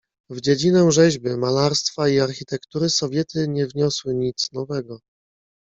"W dziedzinę rzeźby, malarstwa i architektury Sowiety nie wniosły nic nowego."